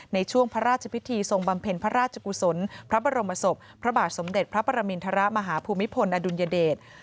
ในช่วงพระราชพิธีทรงบำเพ็ญพระราชกุศลพระบรมศพพระบาทสมเด็จพระปรมินทรมาฮภูมิพลอดุลยเดช